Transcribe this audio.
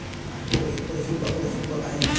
Por ejemplo, "An.